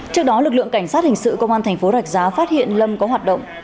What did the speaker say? trước đó lực lượng cảnh sát hình sự công an tp rạch giá phát hiện lâm có hoạt động